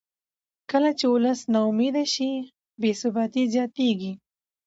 کله چې ولس نا امیده شي بې ثباتي زیاتېږي